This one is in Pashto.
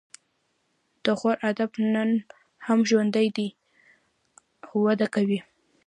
د غور ادب نن هم ژوندی دی او وده کوي